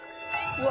うわ！